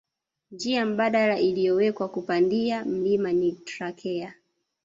Wjia mbadala iliyowekwa kupandia mlima ni trakea